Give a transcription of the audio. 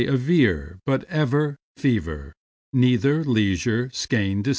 Say aver, but ever, fever, Neither, leisure, skein, receiver.